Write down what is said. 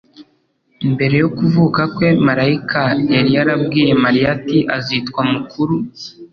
Mbere yo kuvuka kwe, malayika yari yarabwiye Mariya ati : "Azitwa mukuru,